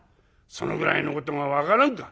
そのぐらいのことが分からんか。